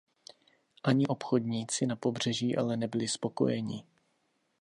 Ani obchodníci na pobřeží ale nebyli spokojeni.